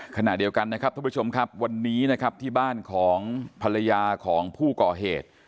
ขณะเดียวกันนะครับทุกผู้ชมครับวันนี้นะครับที่บ้านของภรรยาของผู้ก่อเหตุ